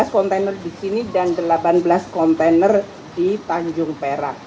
lima belas kontainer di sini dan delapan belas kontainer di tanjung perak